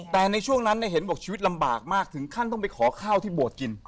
แต่ในช่วงนั้นเห็นบอกชีวิตลำบากมากถึงขั้นต้องไปขอข้าวที่บวชกิน